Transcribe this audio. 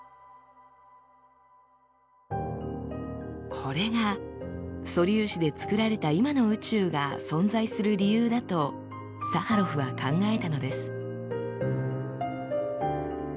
これが素粒子でつくられた今の宇宙が存在する理由だとサハロフは考えたのです。